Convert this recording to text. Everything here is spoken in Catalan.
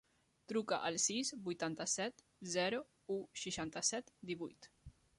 Truca al sis, vuitanta-set, zero, u, seixanta-set, divuit.